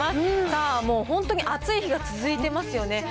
さあ、もう本当に暑い日が続いてますよね。